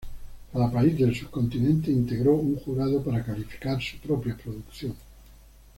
Cada país del subcontinente integró un jurado para calificar su propia producción.